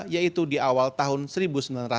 yaitu di awal tahun seribu sembilan ratus an